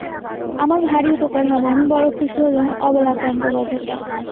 আমার ভারি উপকার হবে, আমি বড়ো খুশি হলুম অবলাকান্তবাবু!